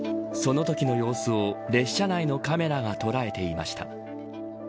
そのときの様子を列車内のカメラが捉えていました。